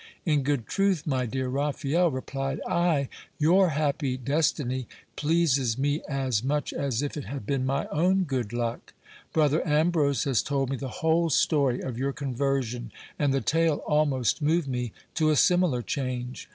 In good truth, my dear Raphael, replied I, your happy destiny pleases me as much as if it had been my own good luck ; brother Ambrose has told me the whole story of your conversion, and the tale almost moved me to a similar change.